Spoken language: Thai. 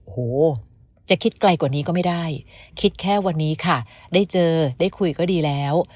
โหจะคิดไกลกว่านี้ก็ไม่ได้คิดแค่วันนี้ค่ะได้เจอได้คุยก็ดีแล้ว